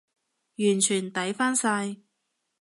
完全抵返晒